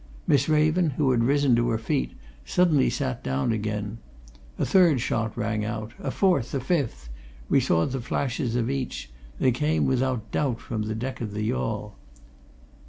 Miss Raven, who had risen to her feet, suddenly sat down again. A third shot rang out a fourth a fifth; we saw the flashes of each; they came, without doubt, from the deck of the yawl.